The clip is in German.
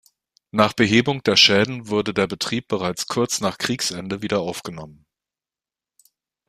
Nach Behebung der Schäden wurde der Betrieb bereits kurz nach Kriegsende wieder aufgenommen.